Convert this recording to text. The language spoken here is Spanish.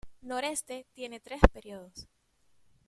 Noreste tiene tres períodos.